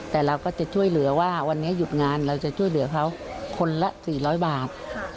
แต่เราก็จะช่วยเหลือว่าวันนี้หยุดงานเราจะช่วยเหลือเขาคนละ๔๐๐บาท